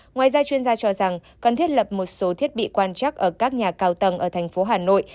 ngoài ra chuyên gia cho rằng cần thiết lập một số thiết bị quan trắc ở các nhà cao tầng ở thành phố hà nội